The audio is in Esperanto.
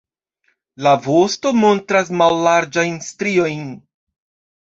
La vosto montras mallarĝajn striojn.